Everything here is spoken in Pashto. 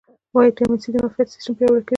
ویټامین سي د معافیت سیستم پیاوړی کوي